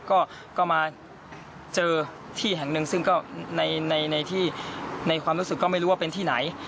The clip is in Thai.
ก็มาเจอที่แห่งหนึ่งซึ่งก็ในที่ในความรู้สึกก็ไม่รู้ว่าเป็นที่ไหน